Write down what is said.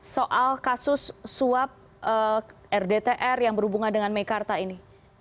soal kasus suap rdtr yang berhubungan dengan mekarta ini